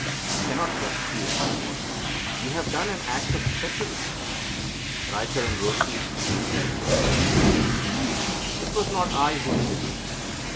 I cannot trust you any more. You have done an act of treachery." Raicharan rose to his feet and said: "It was not I who did it."